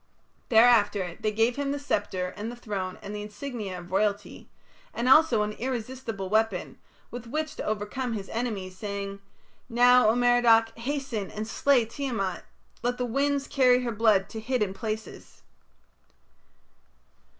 Thereafter they gave him the sceptre and the throne and the insignia of royalty, and also an irresistible weapon with which to overcome his enemies, saying: "Now, O Merodach, hasten and slay Tiamat. Let the winds carry her blood to hidden places."